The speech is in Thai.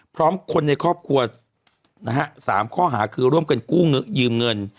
พร้อมคนในครอบครัวนะฮะ๓ข้อหาคือร่วมกันกู้ยืมเงิน